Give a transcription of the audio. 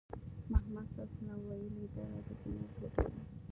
محمد ص ویلي دغه د جنت ټوټه ده.